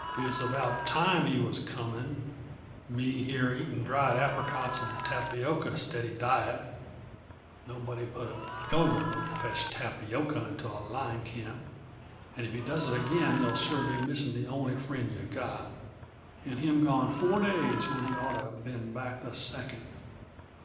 "It's about time he was coming me here eating dried apricots and tapioca steady diet (nobody but a pilgrim would fetch tapioca into a line camp, and if he does it again you'll sure be missing the only friend yuh got) and him gone four days when he'd oughta been back the second.